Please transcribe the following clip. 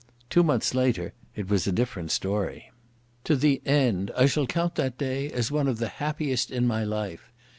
Two months later it was a different story. To the end I shall count that day as one of the happiest in my life.